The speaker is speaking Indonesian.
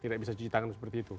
tidak bisa cuci tangan seperti itu